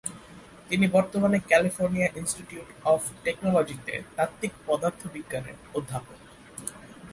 তিনি বর্তমানে California institute of টেকনোলজিতে তাত্ত্বিক পদার্থবিজ্ঞানের অধ্যাপক।